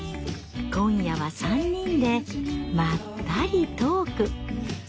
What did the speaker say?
今夜は３人でまったりトーク。